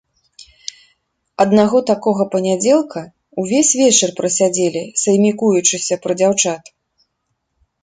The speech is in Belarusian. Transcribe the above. Аднаго такога панядзелка ўвесь вечар праседзелі саймікуючыся пра дзяўчат.